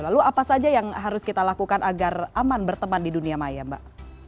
lalu apa saja yang harus kita lakukan agar aman berteman di dunia maya mbak